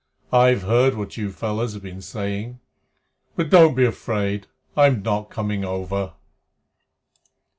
I've heard what you fellows have been saying. But don't be afraid. I'm not coming over."